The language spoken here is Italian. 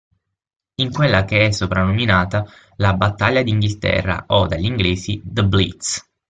In quella che è soprannominata "La Battaglia d'Inghilterra" o, dagli inglesi, "The Blitz".